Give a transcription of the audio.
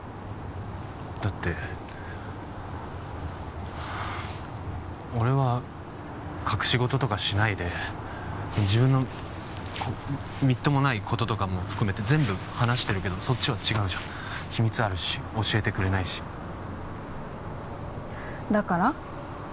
だって俺は隠し事とかしないで自分のみっともないこととかも含めて全部話してるけどそっちは違うじゃん秘密あるし教えてくれないしだから？